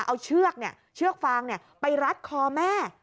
เอาเชือกฟังไปรัดคอแม่